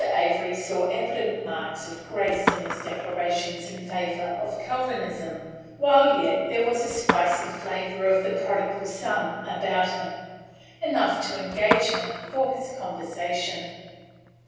Avery saw evident marks of grace in his declarations in favor of Calvinism, while yet there was a spicy flavor of the prodigal son about him, – enough to engage him for his conversation.